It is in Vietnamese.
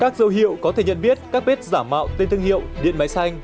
thương hiệu có thể nhận biết các bếp giả mạo tên thương hiệu điện máy xanh